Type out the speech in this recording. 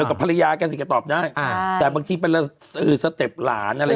พี่โมดรู้สึกไหมพี่โมดรู้สึกไหมพี่โมดรู้สึกไหมพี่โมดรู้สึกไหม